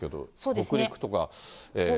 北陸とか。